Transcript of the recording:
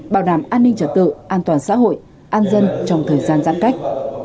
bảo đảm an ninh trật tự an toàn xã hội an dân trong thời gian giãn cách